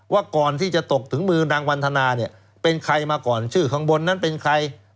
ว่าก่อนที่จะตกถึงมือนางวันธนาเนี่ยเป็นใครมาก่อนชื่อข้างบนนั้นเป็นใคร